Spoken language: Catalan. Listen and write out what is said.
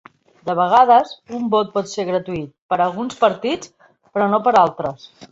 De vegades un vot pot ser gratuït per a alguns partits però no per a altres.